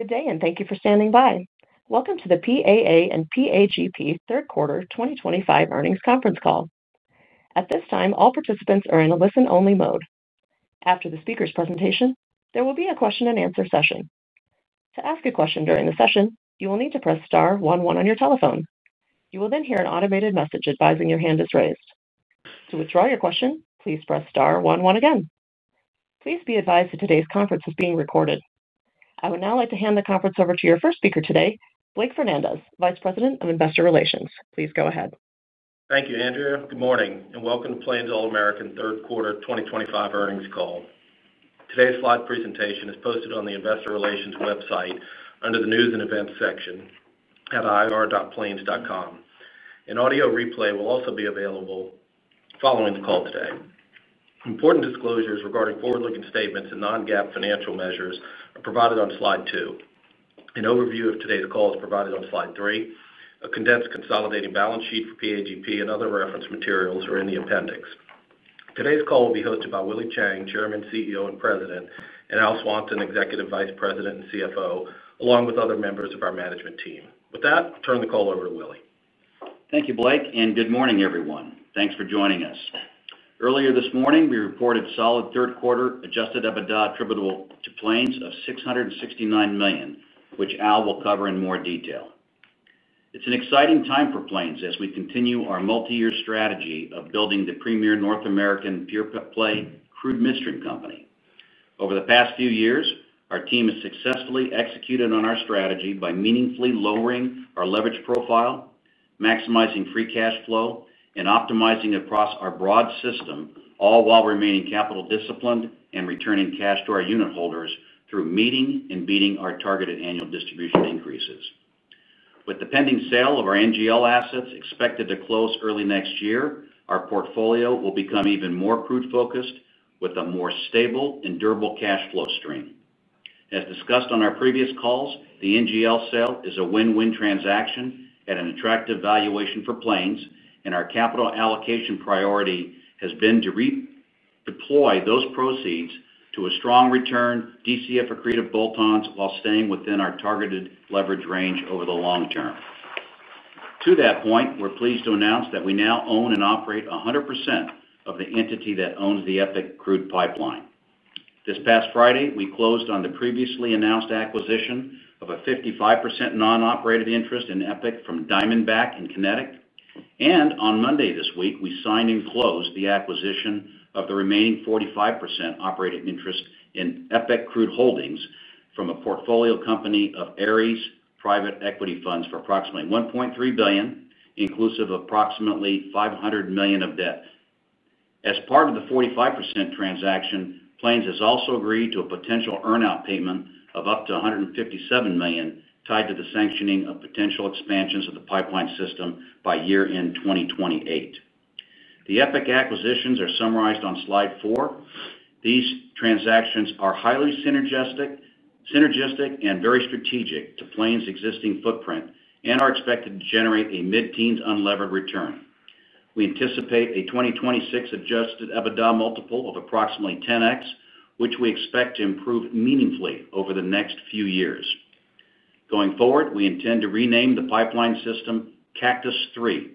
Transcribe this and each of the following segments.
Good day, and thank you for standing by. Welcome to the PAA and PAGP Third Quarter 2025 earnings conference call. At this time, all participants are in a listen-only mode. After the speaker's presentation, there will be a question-and-answer session. To ask a question during the session, you will need to press star one one on your telephone. You will then hear an automated message advising your hand is raised. To withdraw your question, please press star one one again. Please be advised that today's conference is being recorded. I would now like to hand the conference over to your first speaker today, Blake Fernandez, Vice President of Investor Relations. Please go ahead. Thank you, Andrea. Good morning, and welcome to Plains All American Third Quarter 2025 earnings call. Today's slide presentation is posted on the Investor Relations website under the News and Events section at ir.plains.com. An audio replay will also be available following the call today. Important disclosures regarding forward-looking statements and non-GAAP financial measures are provided on slide two. An overview of today's call is provided on slide three. A condensed consolidated balance sheet for PAGP and other reference materials are in the appendix. Today's call will be hosted by Willie Chiang, Chairman, CEO, and President, and Al Swanson, Executive Vice President and CFO, along with other members of our management team. With that, I turn the call over to Willie. Thank you, Blake, and good morning, everyone. Thanks for joining us. Earlier this morning, we reported solid third quarter adjusted EBITDA attributable to Plains of $669 million, which Al will cover in more detail. It's an exciting time for Plains as we continue our multi-year strategy of building the premier North American pure-play crude midstream company. Over the past few years, our team has successfully executed on our strategy by meaningfully lowering our leverage profile, maximizing free cash flow, and optimizing across our broad system, all while remaining capital disciplined and returning cash to our unit holders through meeting and beating our targeted annual distribution increases. With the pending sale of our NGL assets expected to close early next year, our portfolio will become even more crude-focused with a more stable and durable cash flow stream. As discussed on our previous calls, the NGL sale is a win-win transaction at an attractive valuation for Plains, and our capital allocation priority has been to deploy those proceeds to a strong return DCF accretive bolt-ons while staying within our targeted leverage range over the long-term. To that point, we're pleased to announce that we now own and operate 100% of the entity that owns the Epic Crude Pipeline. This past Friday, we closed on the previously announced acquisition of a 55% non-operated interest in Epic from Diamondback and Kinetik, and on Monday this week, we signed and closed the acquisition of the remaining 45% operated interest in Epic Crude Holdings from a portfolio company of Ares Private Equity funds for approximately $1.3 billion, inclusive of approximately $500 million of debt. As part of the 45% transaction, Plains has also agreed to a potential earnout payment of up to $157 million tied to the sanctioning of potential expansions of the pipeline system by year-end 2028. The Epic acquisitions are summarized on slide four. These transactions are highly synergistic and very strategic to Plains' existing footprint and are expected to generate a mid-teens unlevered return. We anticipate a 2026 adjusted EBITDA multiple of approximately 10X, which we expect to improve meaningfully over the next few years. Going forward, we intend to rename the pipeline system Cactus Three,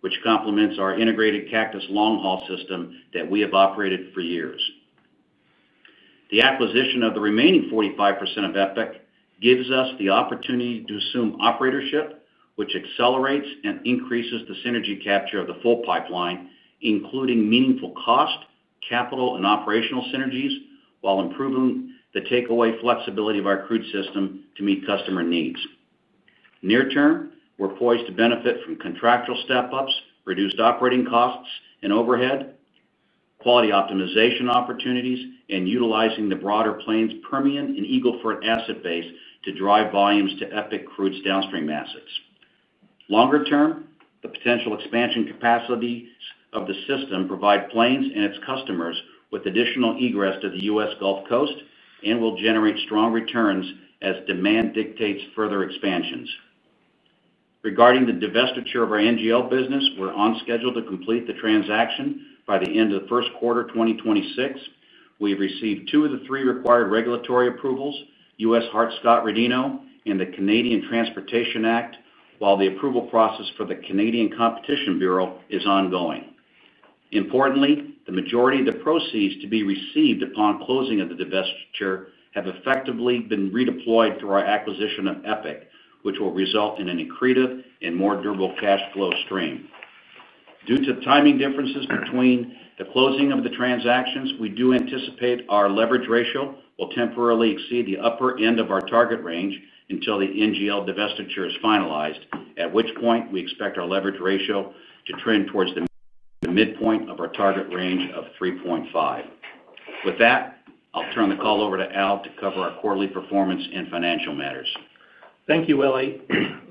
which complements our integrated Cactus long-haul system that we have operated for years. The acquisition of the remaining 45% of Epic gives us the opportunity to assume operatorship, which accelerates and increases the synergy capture of the full pipeline, including meaningful cost, capital, and operational synergies, while improving the takeaway flexibility of our crude system to meet customer needs. near-term, we're poised to benefit from contractual step-ups, reduced operating costs and overhead, quality optimization opportunities, and utilizing the broader Plains Permian and Eagle Ford asset base to drive volumes to Epic Crude's downstream assets. longer-term, the potential expansion capacities of the system provide Plains and its customers with additional egress to the U.S. Gulf Coast and will generate strong returns as demand dictates further expansions. Regarding the divestiture of our NGL business, we're on schedule to complete the transaction by the end of the first quarter 2026. We've received two of the three required regulatory approvals, U.S. Hart-Scott-Rodino and the Canadian Transportation Act, while the approval process for the Canadian Competition Bureau is ongoing. Importantly, the majority of the proceeds to be received upon closing of the divestiture have effectively been redeployed through our acquisition of Epic, which will result in an accretive and more durable cash flow stream. Due to timing differences between the closing of the transactions, we do anticipate our leverage ratio will temporarily exceed the upper end of our target range until the NGL divestiture is finalized, at which point we expect our leverage ratio to trend towards the midpoint of our target range of 3.5. With that, I'll turn the call over to Al to cover our quarterly performance and financial matters. Thank you, Willie.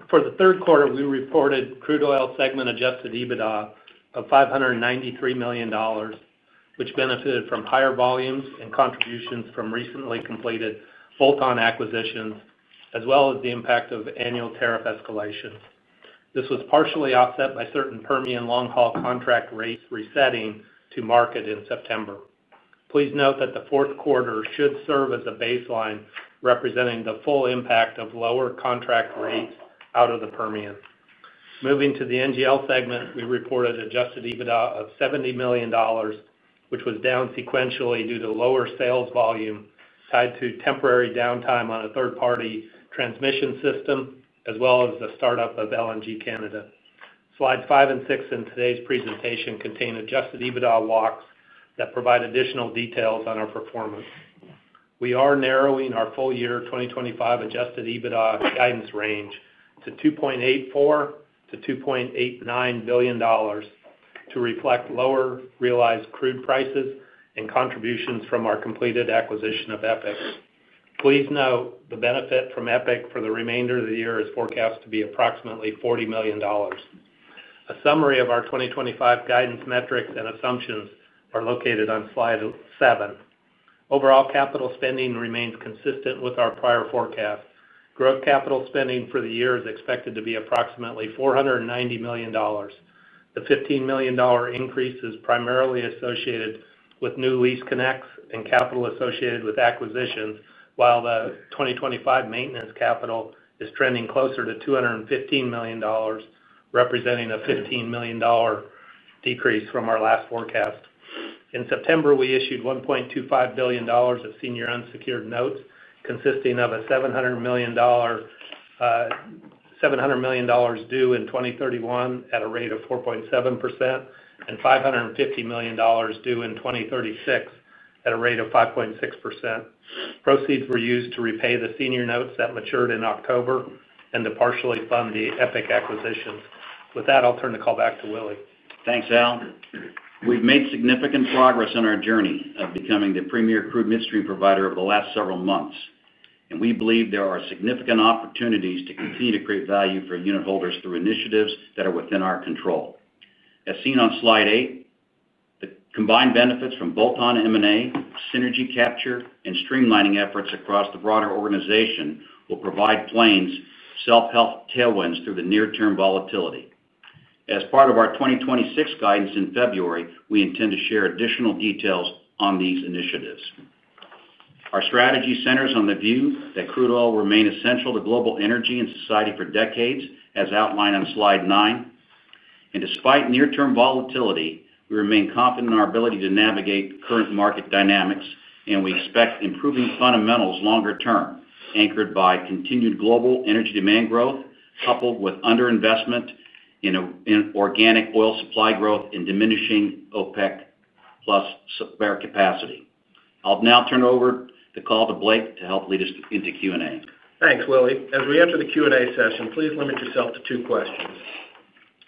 For the third quarter, we reported crude oil segment adjusted EBITDA of $593 million, which benefited from higher volumes and contributions from recently completed bolt-on acquisitions, as well as the impact of annual tariff escalations. This was partially offset by certain Permian long-haul contract rates resetting to market in September. Please note that the fourth quarter should serve as a baseline representing the full impact of lower contract rates out of the Permian. Moving to the NGL segment, we reported adjusted EBITDA of $70 million, which was down sequentially due to lower sales volume tied to temporary downtime on a third-party transmission system, as well as the startup of LNG Canada. Slides five and six in today's presentation contain adjusted EBITDA walks that provide additional details on our performance. We are narrowing our full year 2025 adjusted EBITDA guidance range to $2.84 billion-$2.89 billion. To reflect lower realized crude prices and contributions from our completed acquisition of Epic. Please note the benefit from Epic for the remainder of the year is forecast to be approximately $40 million. A summary of our 2025 guidance metrics and assumptions are located on slide seven. Overall capital spending remains consistent with our prior forecast. Growth capital spending for the year is expected to be approximately $490 million. The $15 million increase is primarily associated with new lease connects and capital associated with acquisitions, while the 2025 maintenance capital is trending closer to $215 million, representing a $15 million decrease from our last forecast. In September, we issued $1.25 billion of senior unsecured notes consisting of $700 million due in 2031 at a rate of 4.7%, and $550 million due in 2036 at a rate of 5.6%. Proceeds were used to repay the senior notes that matured in October and to partially fund the Epic acquisitions. With that, I'll turn the call back to Willie. Thanks, Al. We've made significant progress in our journey of becoming the premier crude midstream provider over the last several months, and we believe there are significant opportunities to continue to create value for unit holders through initiatives that are within our control. As seen on slide eight. The combined benefits from bolt-on M&A, synergy capture, and streamlining efforts across the broader organization will provide Plains self-help tailwinds through the near-term volatility. As part of our 2026 guidance in February, we intend to share additional details on these initiatives. Our strategy centers on the view that crude oil will remain essential to global energy and society for decades, as outlined on slide nine. Despite near-term volatility, we remain confident in our ability to navigate current market dynamics, and we expect improving fundamentals longer-term, anchored by continued global energy demand growth coupled with underinvestment in organic oil supply growth and diminishing OPEC Plus spare capacity. I will now turn over the call to Blake to help lead us into Q&A. Thanks, Willie. As we enter the Q&A session, please limit yourself to two questions.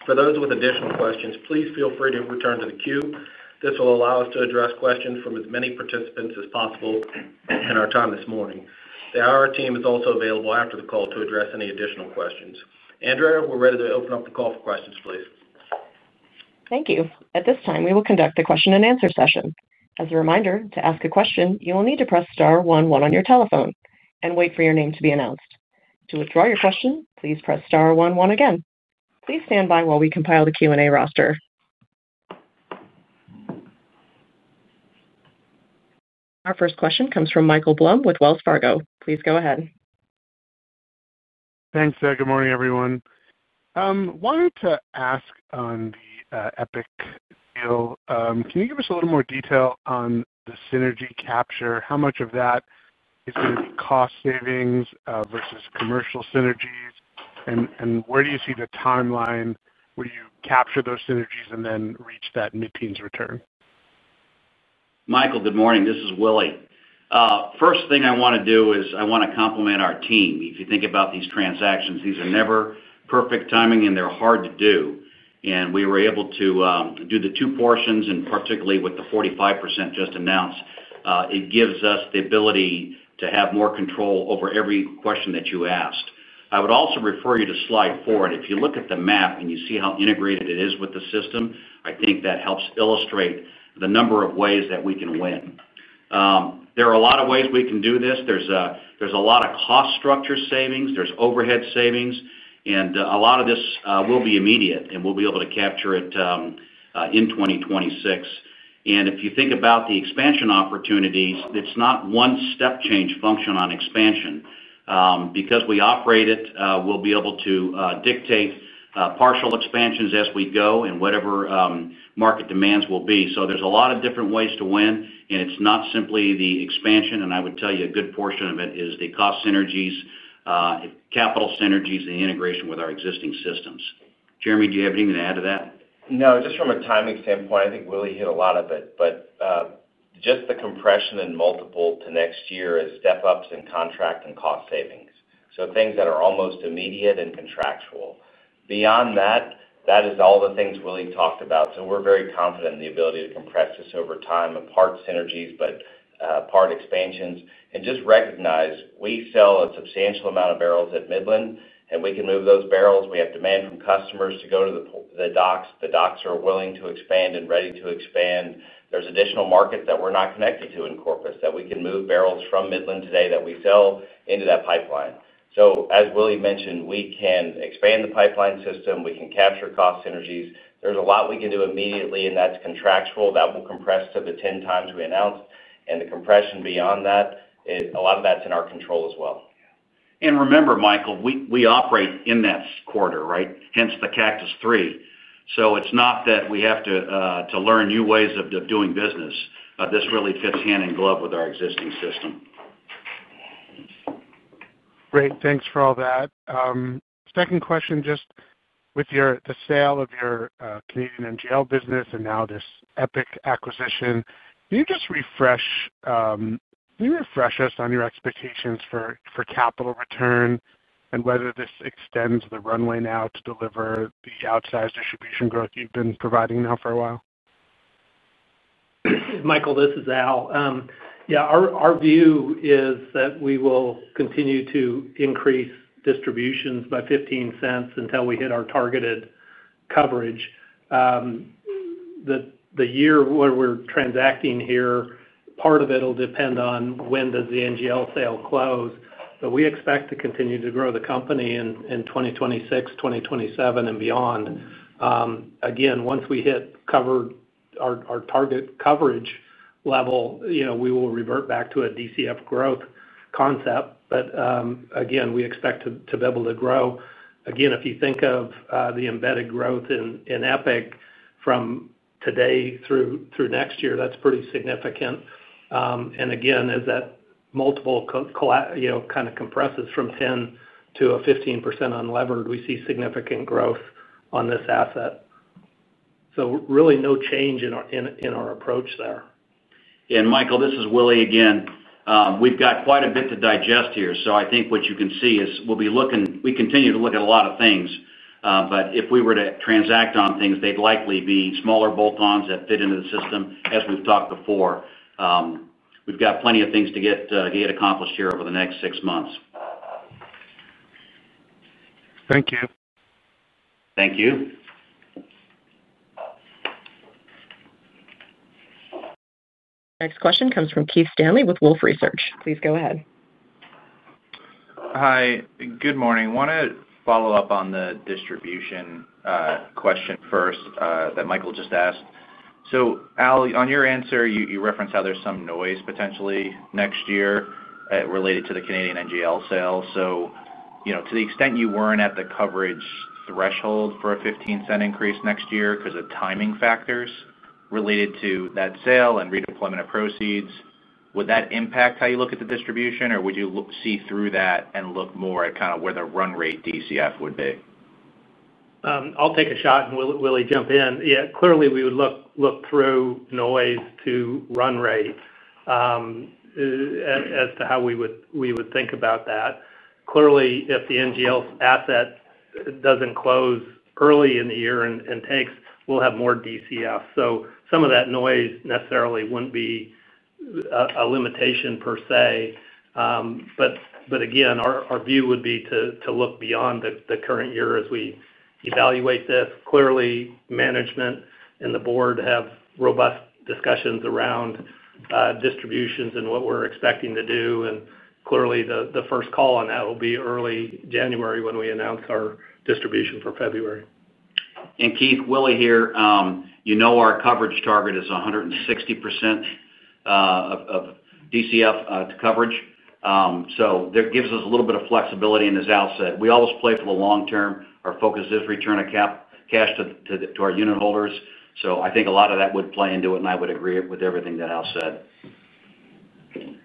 For those with additional questions, please feel free to return to the queue. This will allow us to address questions from as many participants as possible in our time this morning. The IR team is also available after the call to address any additional questions. Andrea, we're ready to open up the call for questions, please. Thank you. At this time, we will conduct the question-and-answer session. As a reminder, to ask a question, you will need to press star one one on your telephone and wait for your name to be announced. To withdraw your question, please press star one one again. Please stand by while we compile the Q&A roster. Our first question comes from Michael Blum with Wells Fargo. Please go ahead. Thanks, Sarah. Good morning, everyone. I wanted to ask on the Epic deal. Can you give us a little more detail on the synergy capture? How much of that is going to be cost savings versus commercial synergies? Where do you see the timeline where you capture those synergies and then reach that mid-teens return? Michael, good morning. This is Willie. First thing I want to do is I want to compliment our team. If you think about these transactions, these are never perfect timing, and they're hard to do. We were able to do the two portions, and particularly with the 45% just announced, it gives us the ability to have more control over every question that you asked. I would also refer you to slide four. If you look at the map and you see how integrated it is with the system, I think that helps illustrate the number of ways that we can win. There are a lot of ways we can do this. There is a lot of cost structure savings. There is overhead savings. A lot of this will be immediate, and we'll be able to capture it. In 2026. If you think about the expansion opportunities, it's not one step change function on expansion. Because we operate it, we'll be able to dictate partial expansions as we go and whatever market demands will be. There are a lot of different ways to win, and it's not simply the expansion. I would tell you a good portion of it is the cost synergies, capital synergies, and integration with our existing systems. Jeremy, do you have anything to add to that? No, just from a timing standpoint, I think Willie hit a lot of it. Just the compression in multiple to next year is step-ups in contract and cost savings. Things that are almost immediate and contractual. Beyond that, that is all the things Willie talked about. We are very confident in the ability to compress this over time and part synergies, but part expansions. Just recognize we sell a substantial amount of barrels at Midland, and we can move those barrels. We have demand from customers to go to the docks. The docks are willing to expand and ready to expand. There are additional markets that we are not connected to in Corpus that we can move barrels from Midland today that we sell into that pipeline. As Willie mentioned, we can expand the pipeline system. We can capture cost synergies. There's a lot we can do immediately, and that's contractual. That will compress to the 10x we announced. The compression beyond that, a lot of that's in our control as well. Remember, Michael, we operate in that quarter, right? Hence the Cactus Three. It is not that we have to learn new ways of doing business. This really fits hand in glove with our existing system. Great. Thanks for all that. Second question, just with the sale of your Canadian NGL business and now this Epic acquisition, can you just refresh us on your expectations for capital return and whether this extends the runway now to deliver the outsized distribution growth you've been providing now for a while? Michael, this is Al. Yeah, our view is that we will continue to increase distributions by $0.15 until we hit our targeted coverage. The year where we're transacting here, part of it will depend on when does the NGL sale close. We expect to continue to grow the company in 2026, 2027, and beyond. Again, once we hit our target coverage level, we will revert back to a DCF growth concept. We expect to be able to grow. If you think of the embedded growth in Epic from today through next year, that's pretty significant. As that multiple kind of compresses from 10% to a 15% unlevered, we see significant growth on this asset. Really no change in our approach there. Michael, this is Willie again. We have quite a bit to digest here. I think what you can see is we will be looking—we continue to look at a lot of things. If we were to transact on things, they would likely be smaller bolt-ons that fit into the system, as we have talked before. We have plenty of things to get accomplished here over the next six months. Thank you. Thank you. Next question comes from Keith Stanley with Wolfe Research. Please go ahead. Hi. Good morning. I want to follow-up on the distribution question first that Michael just asked. Al, on your answer, you referenced how there is some noise potentially next year related to the Canadian NGL sale. To the extent you were not at the coverage threshold for a $0.15 increase next year because of timing factors related to that sale and redeployment of proceeds, would that impact how you look at the distribution, or would you see through that and look more at kind of where the run rate DCF would be? I'll take a shot and Willie jump in. Yeah, clearly we would look through noise to run rate. As to how we would think about that. Clearly, if the NGL asset doesn't close early in the year and takes, we'll have more DCF. So some of that noise necessarily wouldn't be. A limitation per se. Again, our view would be to look beyond the current year as we evaluate this. Clearly, management and the board have robust discussions around distributions and what we're expecting to do. Clearly, the first call on that will be early January when we announce our distribution for February. Keith, Willie here. You know our coverage target is 160% of DCF coverage. That gives us a little bit of flexibility in this outset. We always play for the long-term. Our focus is return of cash to our unit holders. I think a lot of that would play into it, and I would agree with everything that Al said.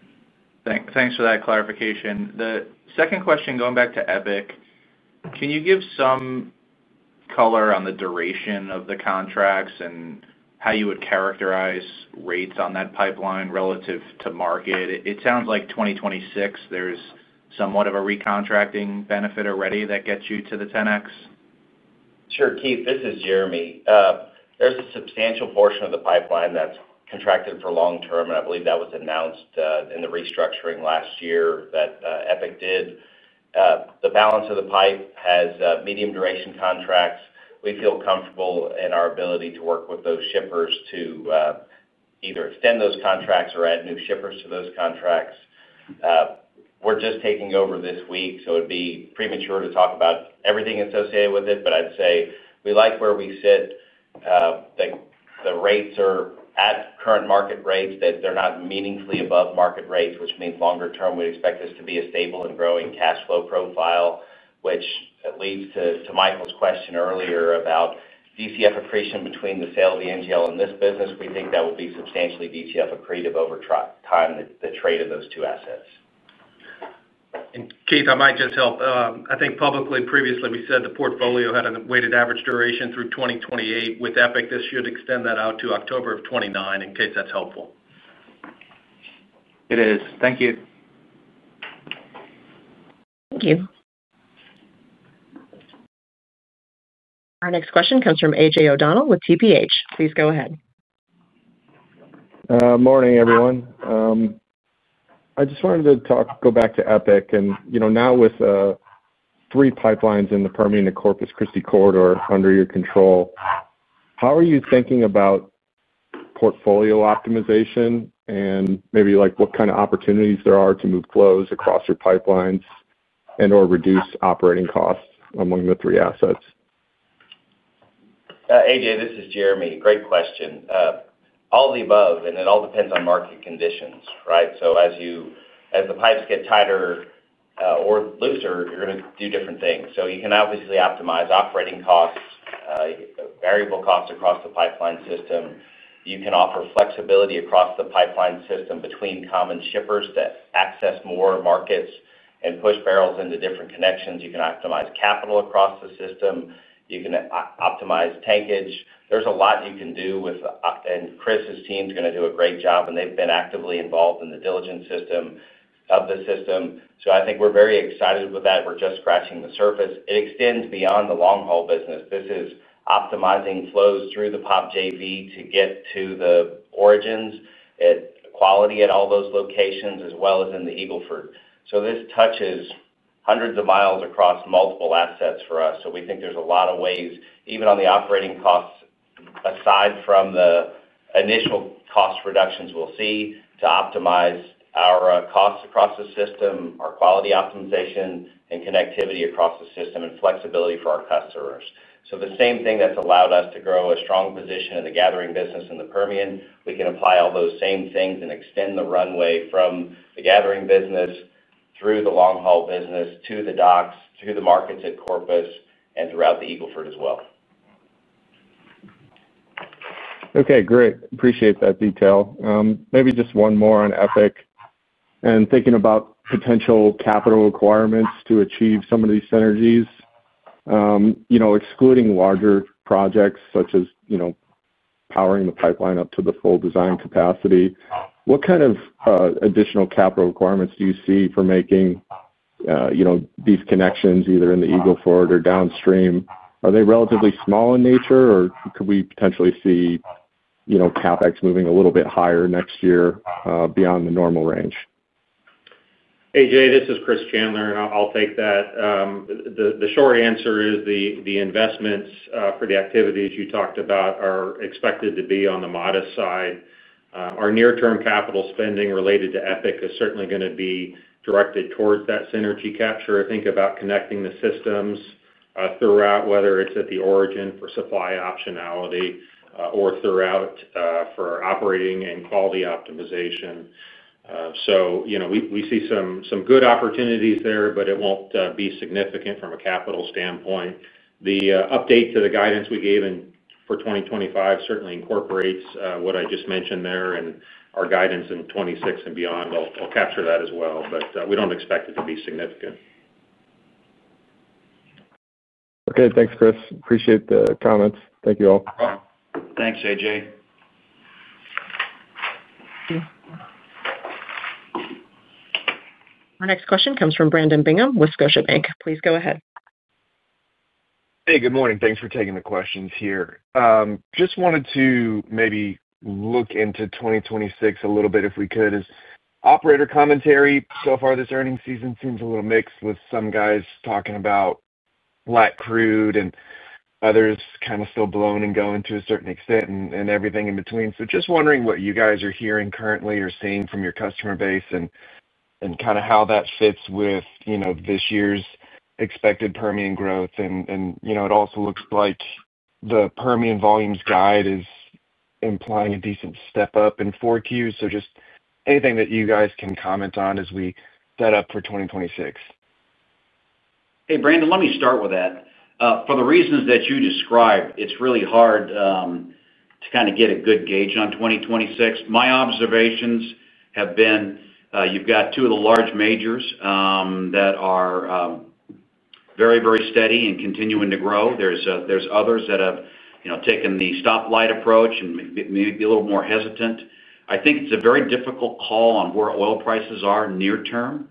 Thanks for that clarification. The second question going back to Epic, can you give some color on the duration of the contracts and how you would characterize rates on that pipeline relative to market? It sounds like 2026, there is somewhat of a recontracting benefit already that gets you to the 10X. Sure. Keith, this is Jeremy. There's a substantial portion of the pipeline that's contracted for long-term, and I believe that was announced in the restructuring last year that Epic did. The balance of the pipe has medium-duration contracts. We feel comfortable in our ability to work with those shippers to either extend those contracts or add new shippers to those contracts. We're just taking over this week, so it'd be premature to talk about everything associated with it. I'd say we like where we sit. The rates are at current market rates, they're not meaningfully above market rates, which means longer-term we expect this to be a stable and growing cash flow profile, which leads to Michael's question earlier about DCF accretion between the sale of the NGL and this business. We think that will be substantially DCF accretive over time, the trade of those two assets. Keith, I might just help. I think publicly previously we said the portfolio had a weighted average duration through 2028. With Epic, this should extend that out to October of 2029 in case that's helpful. It is. Thank you. Thank you. Our next question comes from AJ O'Donnell with TPH. Please go ahead. Morning, everyone. I just wanted to go back to Epic. Now with three pipelines in the Permian to Corpus Christi corridor under your control, how are you thinking about portfolio optimization and maybe what kind of opportunities there are to move flows across your pipelines and or reduce operating costs among the three assets? AJ, this is Jeremy. Great question. All of the above, and it all depends on market conditions, right? As the pipes get tighter or looser, you're going to do different things. You can obviously optimize operating costs, variable costs across the pipeline system. You can offer flexibility across the pipeline system between common shippers to access more markets and push barrels into different connections. You can optimize capital across the system. You can optimize tankage. There's a lot you can do with it. Chris's team is going to do a great job, and they've been actively involved in the diligence of the system. I think we're very excited with that. We're just scratching the surface. It extends beyond the long-haul business. This is optimizing flows through the POP JV to get to the origins, quality at all those locations as well as in the Eagle Ford. This touches hundreds of miles across multiple assets for us. We think there are a lot of ways, even on the operating costs, aside from the initial cost reductions we will see, to optimize our costs across the system, our quality optimization, and connectivity across the system, and flexibility for our customers. The same thing that has allowed us to grow a strong position in the gathering business in the Permian, we can apply all those same things and extend the runway from the gathering business through the long-haul business to the docks, through the markets at Corpus, and throughout the Eagle Ford as well. Okay. Great. Appreciate that detail. Maybe just one more on Epic. Thinking about potential capital requirements to achieve some of these synergies. Excluding larger projects such as powering the pipeline up to the full design capacity, what kind of additional capital requirements do you see for making these connections either in the Eagle Ford or downstream? Are they relatively small in nature, or could we potentially see CapEx moving a little bit higher next year beyond the normal range? AJ, this is Chris Chandler, and I'll take that. The short answer is the investments for the activities you talked about are expected to be on the modest side. Our near-term capital spending related to Epic is certainly going to be directed towards that synergy capture. I think about connecting the systems throughout, whether it's at the origin for supply optionality or throughout for operating and quality optimization. We see some good opportunities there, but it won't be significant from a capital standpoint. The update to the guidance we gave for 2025 certainly incorporates what I just mentioned there and our guidance in 2026 and beyond. I'll capture that as well. We don't expect it to be significant. Okay. Thanks, Chris. Appreciate the comments. Thank you all. Thanks, AJ. Our next question comes from Brandon Bingham with Scotiabank. Please go ahead. Hey, good morning. Thanks for taking the questions here. Just wanted to maybe look into 2026 a little bit if we could. Operator commentary so far this earnings season seems a little mixed with some guys talking about flat crude and others kind of still blowing and going to a certain extent and everything in between. Just wondering what you guys are hearing currently or seeing from your customer base and kind of how that fits with this year's expected Permian growth. It also looks like the Permian volumes guide is implying a decent step up in four Qs. Just anything that you guys can comment on as we set up for 2026. Hey, Brandon, let me start with that. For the reasons that you described, it's really hard to kind of get a good gauge on 2026. My observations have been you've got two of the large majors that are very, very steady and continuing to grow. There's others that have taken the stoplight approach and maybe be a little more hesitant. I think it's a very difficult call on where oil prices are near-term.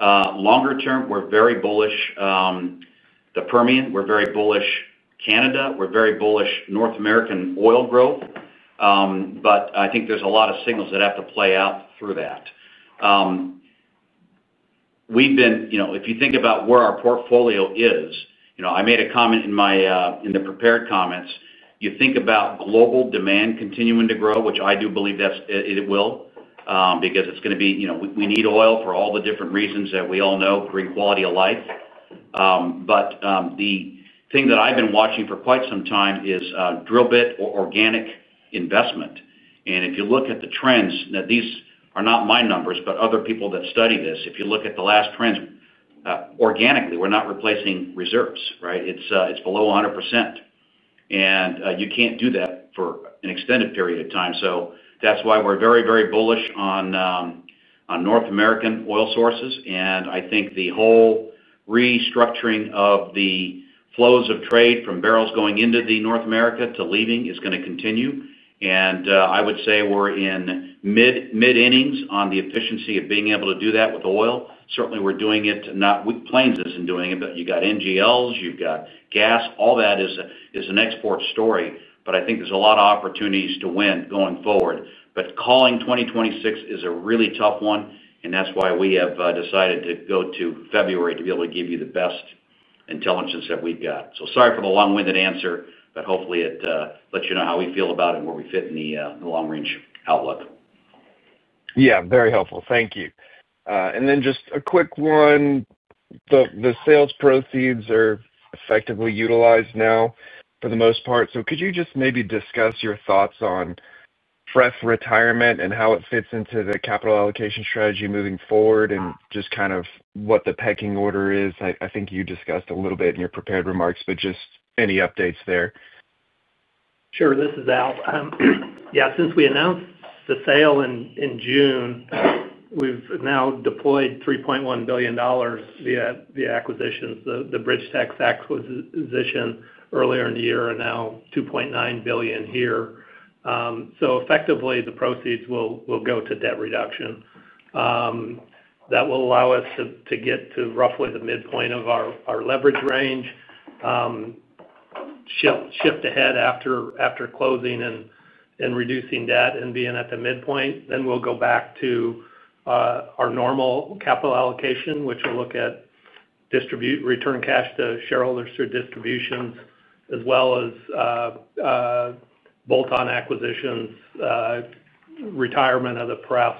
longer-term, we're very bullish. The Permian, we're very bullish. Canada, we're very bullish North American oil growth. I think there's a lot of signals that have to play out through that. We've been, if you think about where our portfolio is, I made a comment in the prepared comments. You think about global demand continuing to grow, which I do believe it will because it's going to be we need oil for all the different reasons that we all know, green quality of life. The thing that I've been watching for quite some time is drill bit or organic investment. If you look at the trends, now these are not my numbers, but other people that study this, if you look at the last trends. Organically, we're not replacing reserves, right? It's below 100%. You can't do that for an extended period of time. That's why we're very, very bullish on North American oil sources. I think the whole restructuring of the flows of trade from barrels going into North America to leaving is going to continue. I would say we're in. Mid-innings on the efficiency of being able to do that with oil. Certainly, we're doing it. Plains isn't doing it, but you got NGLs, you've got gas. All that is an export story. I think there's a lot of opportunities to win going forward. Calling 2026 is a really tough one. That is why we have decided to go to February to be able to give you the best intelligence that we've got. Sorry for the long-winded answer, but hopefully it lets you know how we feel about it and where we fit in the long-range outlook. Yeah. Very helpful. Thank you. And then just a quick one. The sales proceeds are effectively utilized now for the most part. Could you just maybe discuss your thoughts on FREF retirement and how it fits into the capital allocation strategy moving forward and just kind of what the pecking order is? I think you discussed a little bit in your prepared remarks, but just any updates there. Sure. This is Al. Yeah. Since we announced the sale in June, we have now deployed $3.1 billion via acquisitions. The BridgeTex acquisition earlier in the year, and now $2.9 billion here. So effectively, the proceeds will go to debt reduction. That will allow us to get to roughly the midpoint of our leverage range. Shift ahead after closing and reducing debt and being at the midpoint. We will go back to our normal capital allocation, which will look at return cash to shareholders through distributions, as well as bolt-on acquisitions, retirement of the press,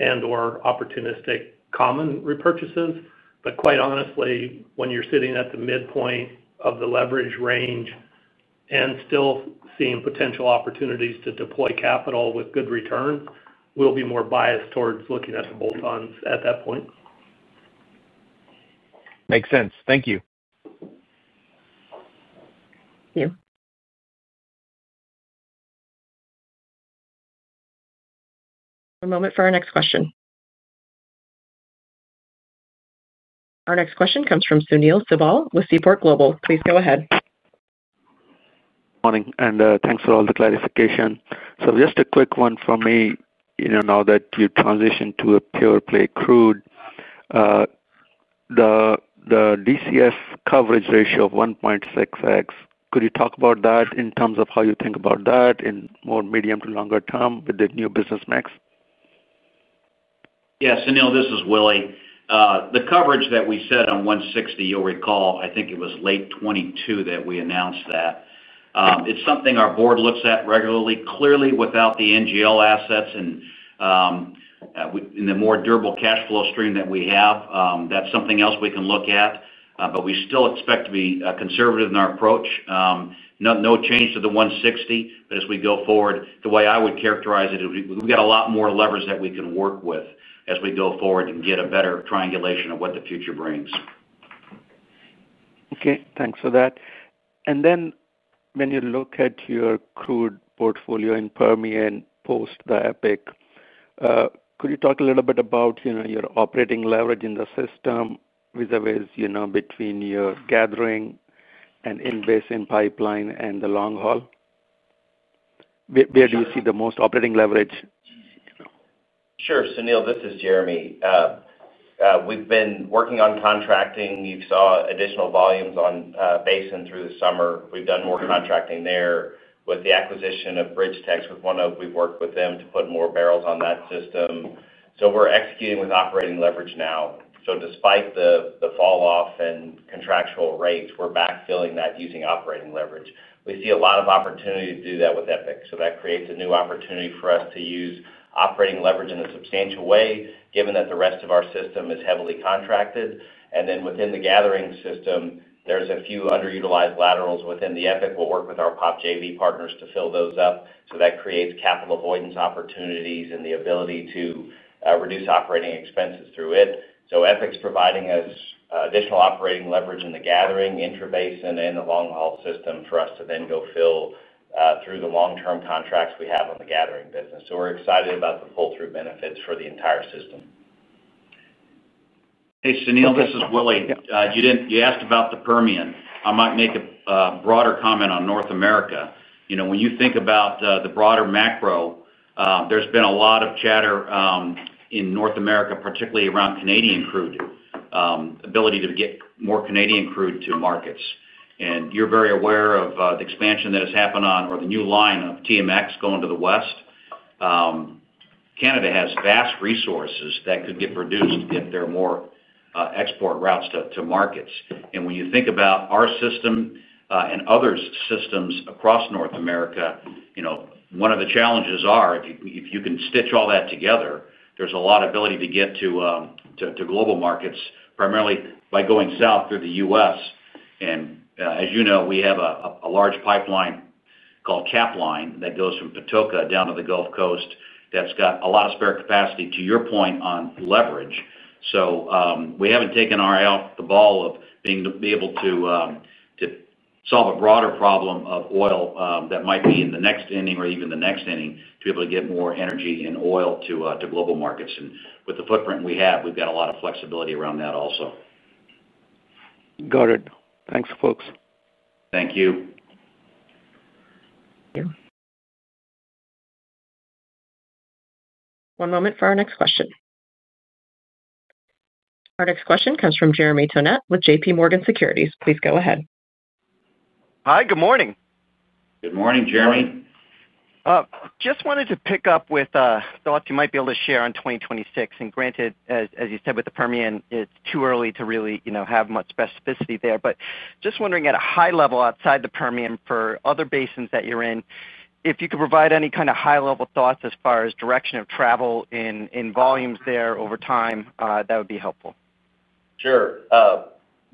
and/or opportunistic common repurchases. But quite honestly, when you are sitting at the midpoint of the leverage range and still seeing potential opportunities to deploy capital with good returns, we will be more biased towards looking at the bolt-ons at that point. Makes sense. Thank you. Thank you. One moment for our next question. Our next question comes from Sunil Sibal with Seaport Global. Please go ahead. Morning. Thanks for all the clarification. Just a quick one from me. Now that you transitioned to a pure play crude. The DCF coverage ratio of 1.6x. Could you talk about that in terms of how you think about that in more medium to longer-term with the new business mix? Yeah. Sunil, this is Willie. The coverage that we set on 1.6x, you'll recall, I think it was late 2022 that we announced that. It's something our board looks at regularly. Clearly, without the NGL assets and the more durable cash flow stream that we have, that's something else we can look at. We still expect to be conservative in our approach. No change to the 1.6x. As we go forward, the way I would characterize it, we've got a lot more levers that we can work with as we go forward and get a better triangulation of what the future brings. Okay. Thanks for that. When you look at your crude portfolio in the Permian post the Epic, could you talk a little bit about your operating leverage in the system with the ways between your gathering and in-basin pipeline and the long haul? Where do you see the most operating leverage? Sure. Sunil, this is Jeremy. We've been working on contracting. You saw additional volumes on Basin through the summer. We've done more contracting there with the acquisition of BridgeTex with Oneok. We've worked with them to put more barrels on that system. We are executing with operating leverage now. Despite the falloff in contractual rates, we are backfilling that using operating leverage. We see a lot of opportunity to do that with Epic. That creates a new opportunity for us to use operating leverage in a substantial way, given that the rest of our system is heavily contracted. Within the gathering system, there are a few underutilized laterals within Epic. We'll work with our POP JV partners to fill those up. That creates capital avoidance opportunities and the ability to reduce operating expenses through it. Epic's providing us additional operating leverage in the gathering, intra-basin, and the long-haul system for us to then go fill through the long-term contracts we have on the gathering business. We're excited about the full-through benefits for the entire system. Hey, Sunil, this is Willie. You asked about the Permian. I might make a broader comment on North America. When you think about the broader macro, there has been a lot of chatter in North America, particularly around Canadian crude. Ability to get more Canadian crude to markets. You are very aware of the expansion that has happened on or the new line of TMX going to the west. Canada has vast resources that could get reduced if there are more export routes to markets. When you think about our system and other systems across North America, one of the challenges is if you can stitch all that together, there is a lot of ability to get to global markets, primarily by going south through the U.S.. As you know, we have a large pipeline called Capline that goes from Patoka down to the Gulf Coast that's got a lot of spare capacity, to your point, on leverage. We haven't taken our eye off the ball of being able to solve a broader problem of oil that might be in the next inning or even the next inning to be able to get more energy and oil to global markets. With the footprint we have, we've got a lot of flexibility around that also. Got it. Thanks, folks. Thank you. One moment for our next question. Our next question comes from Jeremy Tonet with JPMorgan Securities. Please go ahead. Hi. Good morning. Good morning, Jeremy. Just wanted to pick up with thoughts you might be able to share on 2026. Granted, as you said, with the Permian, it's too early to really have much specificity there. Just wondering, at a high level outside the Permian for other basins that you're in, if you could provide any kind of high-level thoughts as far as direction of travel in volumes there over time, that would be helpful. Sure.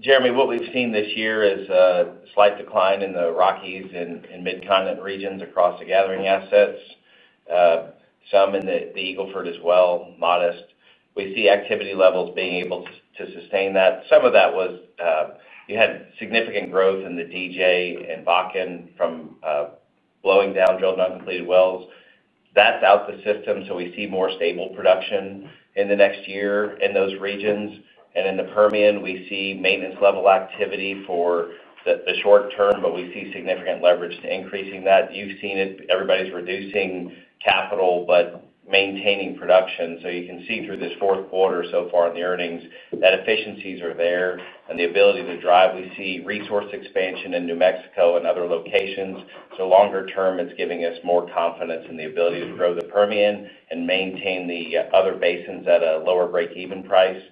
Jeremy, what we've seen this year is a slight decline in the Rockies and Mid-Continent regions across the gathering assets. Some in the Eagle Ford as well, modest. We see activity levels being able to sustain that. Some of that was you had significant growth in the DJ and Bakken from blowing down drilled and uncompleted wells. That's out the system. We see more stable production in the next year in those regions. In the Permian, we see maintenance-level activity for the short term, but we see significant leverage to increasing that. You've seen it. Everybody's reducing capital but maintaining production. You can see through this fourth quarter so far in the earnings that efficiencies are there and the ability to drive. We see resource expansion in New Mexico and other locations. longer-term, it's giving us more confidence in the ability to grow the Permian and maintain the other basins at a lower break-even price.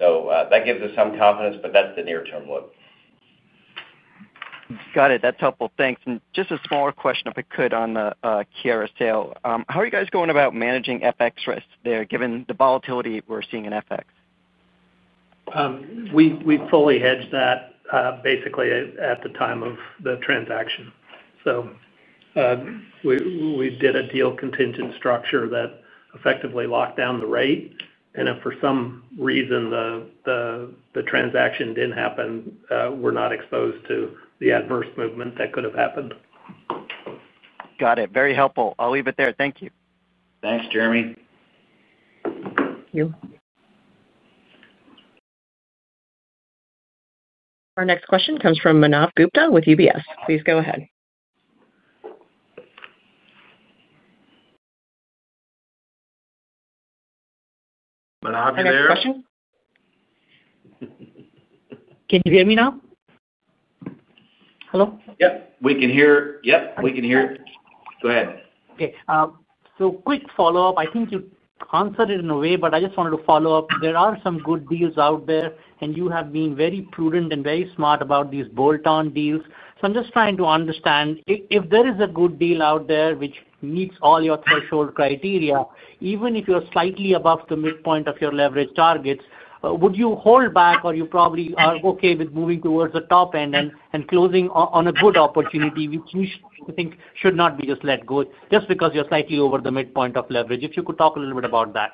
That gives us some confidence, but that's the near-term look. Got it. That's helpful. Thanks. Just a smaller question, if I could, on the Keyera sale. How are you guys going about managing FX risks there, given the volatility we're seeing in FX? We fully hedge that basically at the time of the transaction. We did a deal contingent structure that effectively locked down the rate. If for some reason the transaction did not happen, we are not exposed to the adverse movement that could have happened. Got it. Very helpful. I'll leave it there. Thank you. Thanks, Jeremy. Thank you. Our next question comes from Manav Gupta with UBS. Please go ahead. Manav, you there? Can you hear me now? Hello? Yep. We can hear you. Go ahead. Okay. Quick follow-up. I think you answered it in a way, but I just wanted to follow-up. There are some good deals out there, and you have been very prudent and very smart about these bolt-on deals. I'm just trying to understand if there is a good deal out there which meets all your threshold criteria, even if you're slightly above the midpoint of your leverage targets, would you hold back, or you probably are okay with moving towards the top end and closing on a good opportunity, which you think should not be just let go just because you're slightly over the midpoint of leverage? If you could talk a little bit about that.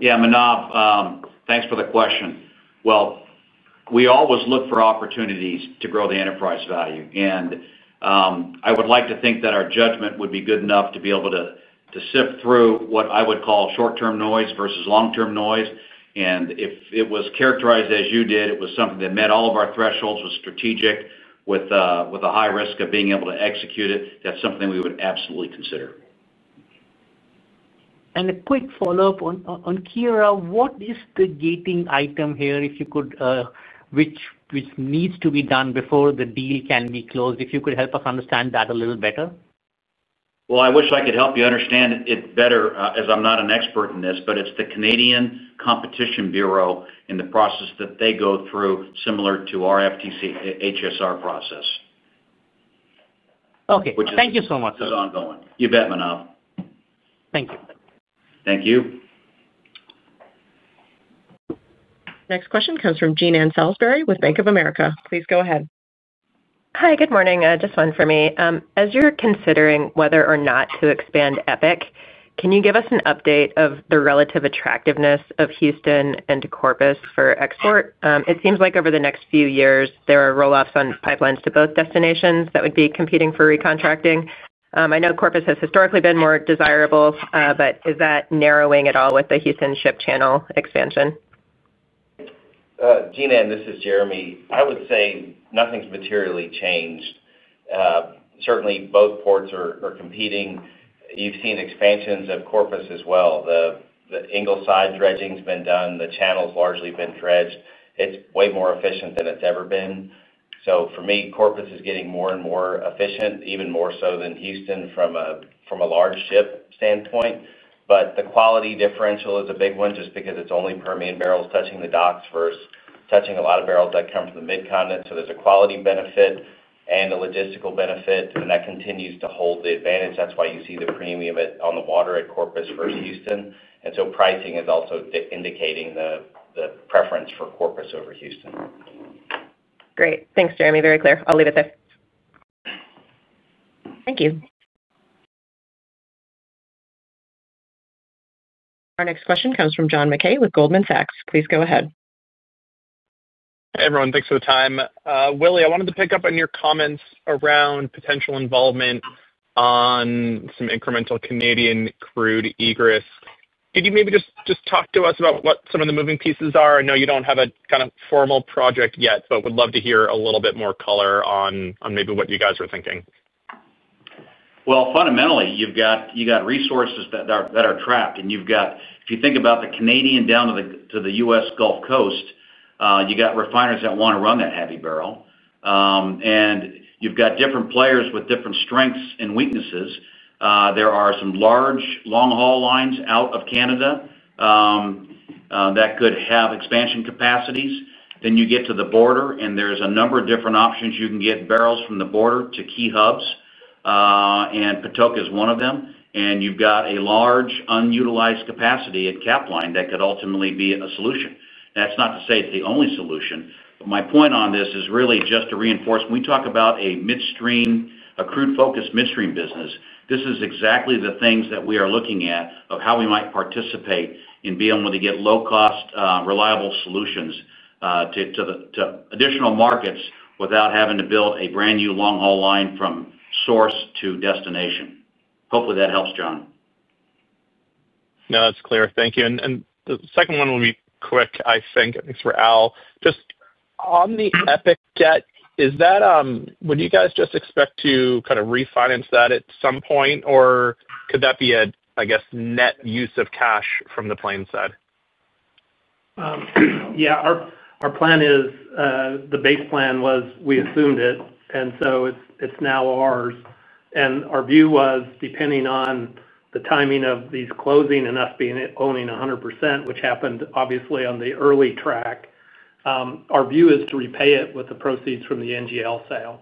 Yeah, Manav, thanks for the question. We always look for opportunities to grow the enterprise value. I would like to think that our judgment would be good enough to be able to sift through what I would call short-term noise versus long-term noise. If it was characterized as you did, it was something that met all of our thresholds, was strategic, with a high risk of being able to execute it. That's something we would absolutely consider. A quick follow-up on Keyera, what is the gating item here, if you could. Which needs to be done before the deal can be closed? If you could help us understand that a little better. I wish I could help you understand it better as I'm not an expert in this, but it's the Canadian Competition Bureau and the process that they go through, similar to our FTC HSR process. Okay. Thank you so much. Which is ongoing. You bet, Manav. Thank you. Thank you. Next question comes from Jean Ann Salisbury with Bank of America. Please go ahead. Hi. Good morning. Just one for me. As you're considering whether or not to expand Epic, can you give us an update of the relative attractiveness of Houston and Corpus for export? It seems like over the next few years, there are rollouts on pipelines to both destinations that would be competing for recontracting. I know Corpus has historically been more desirable, but is that narrowing at all with the Houston ship channel expansion? Jean Ann, this is Jeremy. I would say nothing's materially changed. Certainly, both ports are competing. You've seen expansions of Corpus as well. The Ingleside dredging's been done. The channel's largely been dredged. It's way more efficient than it's ever been. For me, Corpus is getting more and more efficient, even more so than Houston from a large ship standpoint. The quality differential is a big one just because it's only Permian barrels touching the docks versus touching a lot of barrels that come from the Mid-Continent. There's a quality benefit and a logistical benefit, and that continues to hold the advantage. That's why you see the premium on the water at Corpus versus Houston. Pricing is also indicating the preference for Corpus over Houston. Great. Thanks, Jeremy. Very clear. I'll leave it there. Thank you. Our next question comes from John Mackay with Goldman Sachs. Please go ahead. Hey, everyone. Thanks for the time. Willie, I wanted to pick up on your comments around potential involvement on some incremental Canadian crude egress. Could you maybe just talk to us about what some of the moving pieces are? I know you do not have a kind of formal project yet, but would love to hear a little bit more color on maybe what you guys are thinking. Fundamentally, you've got resources that are trapped. If you think about the Canadian down to the U.S. Gulf Coast, you've got refiners that want to run that heavy barrel. You've got different players with different strengths and weaknesses. There are some large long-haul lines out of Canada that could have expansion capacities. You get to the border, and there's a number of different options. You can get barrels from the border to key hubs. Patoka is one of them. You've got a large unutilized capacity at Capline that could ultimately be a solution. That's not to say it's the only solution. My point on this is really just to reinforce when we talk about a crude-focused midstream business, this is exactly the things that we are looking at of how we might participate in being able to get low-cost, reliable solutions to additional markets without having to build a brand new long-haul line from source to destination. Hopefully, that helps, John. That's clear. Thank you. The second one will be quick, I think. Thanks for Al. Just on the Epic debt, is that when you guys just expect to kind of refinance that at some point, or could that be a, I guess, net use of cash from the Plains side? Yeah. Our plan is the base plan was we assumed it, and so it's now ours. Our view was, depending on the timing of these closing and us being owning 100%, which happened obviously on the early track. Our view is to repay it with the proceeds from the NGL sale.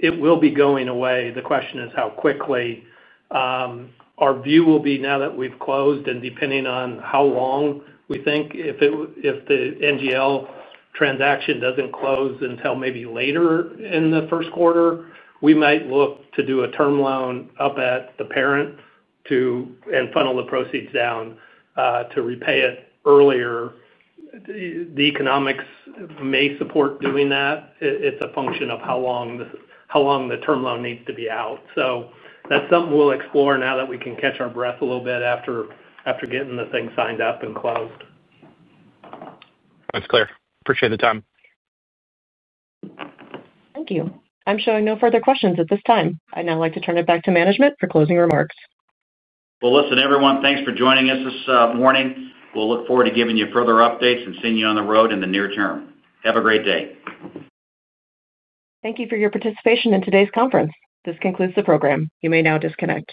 It will be going away. The question is how quickly. Our view will be now that we've closed and depending on how long we think if the NGL transaction does not close until maybe later in the first quarter, we might look to do a term loan up at the parent and funnel the proceeds down to repay it earlier. The economics may support doing that. It's a function of how long the term loan needs to be out. That's something we'll explore now that we can catch our breath a little bit after getting the thing signed up and closed. That's clear. Appreciate the time. Thank you. I'm showing no further questions at this time. I'd now like to turn it back to management for closing remarks. Listen, everyone, thanks for joining us this morning. We'll look forward to giving you further updates and seeing you on the road in the near-term. Have a great day. Thank you for your participation in today's conference. This concludes the program. You may now disconnect.